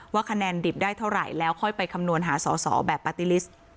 คะแนนดิบได้เท่าไหร่แล้วค่อยไปคำนวณหาสอสอแบบปาร์ตี้ลิสต์